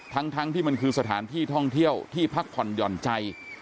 ทั้งที่มันคือสถานที่ท่องเที่ยวที่พักผ่อนหย่อนใจ